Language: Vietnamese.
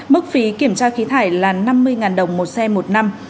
mức phí kiểm tra khí thải là năm mươi đồng một xe một năm